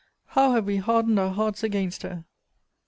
How have we hardened our hearts against her!